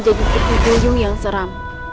jadi berpikir pikir yang seram